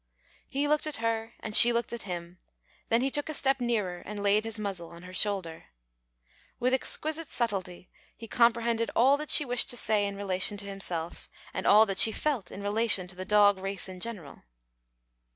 He looked at her and she looked at him, then he took a step nearer and laid his muzzle on her shoulder. With exquisite subtlety he comprehended all that she wished to say in relation to himself, and all that she felt in relation to the dog race in general.